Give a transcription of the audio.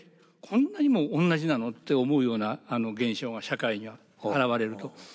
こんなにも同じなのって思うような現象が社会に現れると。